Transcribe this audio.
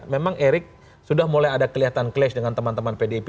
memang erick sudah mulai ada kelihatan clash dengan teman teman pdip